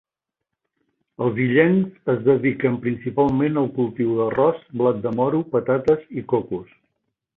Els illencs es dediquen principalment al cultiu d'arròs, blat de moro, patates i cocos.